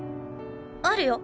あるよ。